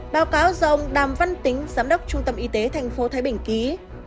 báo cáo do ông đàm văn tính giám đốc trung tâm y tế tp thái bình ký